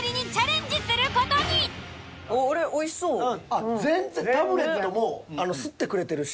あっ全然タブレットもすってくれてるし。